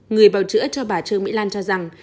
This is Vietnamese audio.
người bảo chữa cho bà trương mỹ lan cho rằng